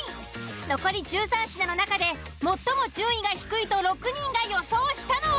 残り１３品の中で最も順位が低いと６人が予想したのは？